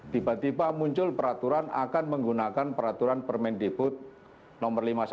tiba tiba muncul peraturan akan menggunakan peraturan permendikbud no lima puluh satu dua ribu delapan belas